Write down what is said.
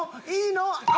いいの？